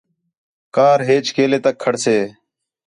کار ھیچ کیلے تک کھڑسے؟